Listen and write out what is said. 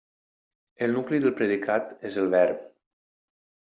El nucli del predicat és el verb.